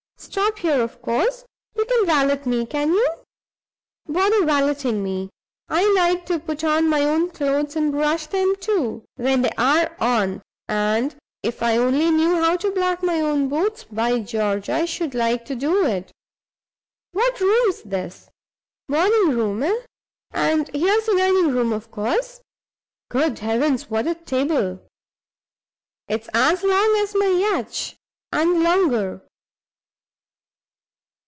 Stop here, of course. You can valet me, can you? Bother valeting me! I like to put on my own clothes, and brush them, too, when they are on; and, if I only knew how to black my own boots, by George, I should like to do it! What room's this? Morning room, eh? And here's the dining room, of course. Good heavens, what a table! it's as long as my yacht, and longer.